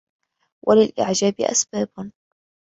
وَلِلْإِعْجَابِ أَسْبَابٌ